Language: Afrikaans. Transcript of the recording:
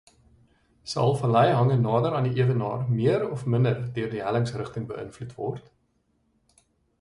Sal valleihange nader aan die ewenaar meer of minder deur die hellingsrigting beïnvloed word?